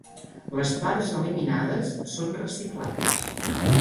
Les parts eliminades són reciclades.